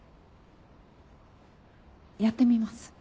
やってみます。